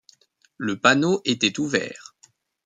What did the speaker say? Le panneau était ouvert.